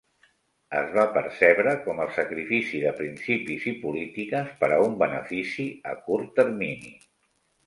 Es va percebre com el sacrifici de principis i polítiques per a un benefici a curt termini.